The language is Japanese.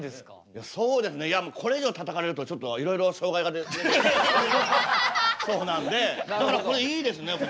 いやそうですねいやこれ以上たたかれるとちょっといろいろ障害が出てきそうなんでだからこれいいですね。